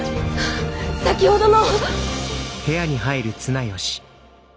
先ほどの！